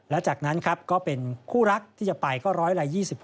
และจากนั้นครับก็เป็นคู่รักที่จะไปก็ร้อยละ๒๖